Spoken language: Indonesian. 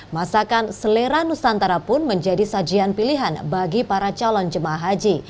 masakan selera nusantara pun menjadi sajian pilihan bagi para calon jemaah haji